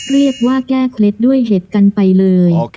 เรียกว่าแก้เคล็ดด้วยเห็ดกันไปเลย